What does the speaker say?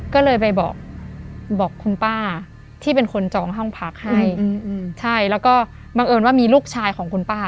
ก็เลยไปบอกบอกคุณป้าที่เป็นคนจองห้องพักให้ใช่แล้วก็บังเอิญว่ามีลูกชายของคุณป้า